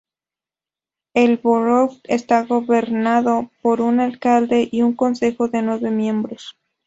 El borough está gobernado por un alcalde y un consejo de nueve miembros.